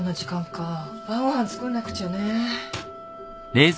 晩ご飯作んなくちゃね。